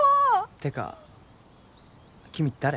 てか君誰？